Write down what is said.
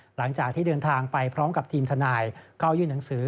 หลังจากที่เดินทางไปพร้อมกับทีมทนายเข้ายื่นหนังสือ